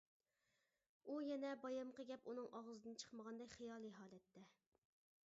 ئۇ يەنە بايامقى گەپ ئۇنىڭ ئاغزىدىن چىقمىغاندەك خىيالىي ھالەتتە.